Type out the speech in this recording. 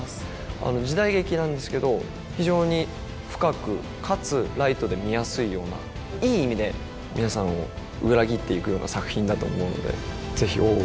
あの時代劇なんですけど非常に深くかつライトで見やすいようないい意味で皆さんを裏切っていくような作品だと思うのでぜひ「大奥」